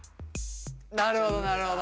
なるほどなるほど。